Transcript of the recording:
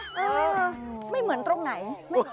เออไม่เหมือนตรงไหน